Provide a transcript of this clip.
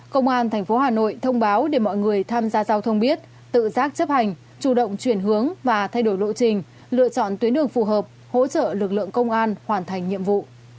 công an tp hà nội thông báo để mọi người tham gia giao thông biết tự giác chấp hành chủ động chuyển hướng và thay đổi lộ trình lựa chọn tuyến đường phù hợp hỗ trợ lực lượng công an hoàn thành nhiệm vụ